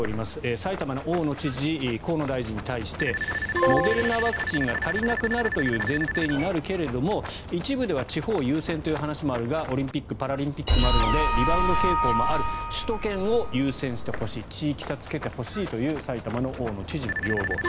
埼玉の大野知事河野大臣に対してモデルナワクチンが足りなくなるという前提になるけれども一部では地方優先という話もあるがオリンピック・パラリンピックもあるのでリバウンド傾向もある首都圏を優先してほしい地域差をつけてほしいという埼玉県の大野知事の要望。